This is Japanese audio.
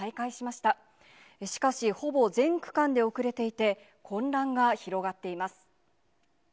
しかし、ほぼ全区間で遅れていて、混乱が広がっています。